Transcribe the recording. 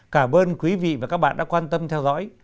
cảm ơn quý vị và các bạn đã quan tâm theo dõi